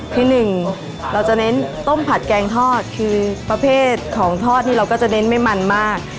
ที่หนึ่งเราจะเน้นต้มผัดแกงทอดคือประเภทของทอดนี่เราก็จะเน้นไม่มันมาก